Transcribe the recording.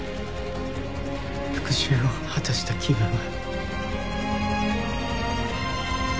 復讐を果たした気分は？